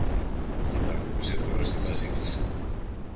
και τ' ακούμπησε μπρος στη Βασίλισσα.